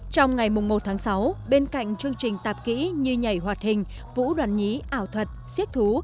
trong ngày một tháng sáu bên cạnh chương trình tạp kỹ như nhảy hoạt hình vũ đoàn nhí ảo thuật siết thú